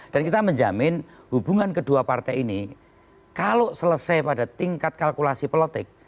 dan kita menjamin hubungan kedua partai ini kalau selesai pada tingkat kalkulasi politik